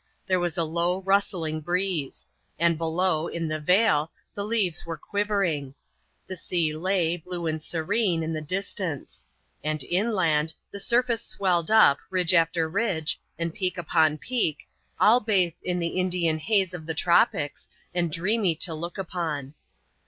There was a low, rustling breeze ; and below, in the vale, the leaves were quivering ; the sea lay, blue and serene, in the distance ; and inland the surface swelled up, ridge after ridge, and peak upon peak, all bathed in the Indian haze of the tropics, and dreamy to look upon.